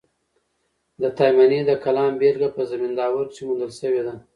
د تایمني د کلام بېلګه په زمینداور کښي موندل سوې ده.